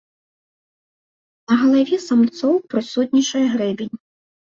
На галаве самцоў прысутнічае грэбень.